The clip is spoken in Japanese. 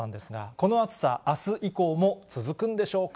この暑さ、あす以降も続くんでしょうか。